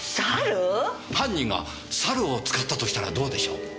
犯人が猿を使ったとしたらどうでしょう？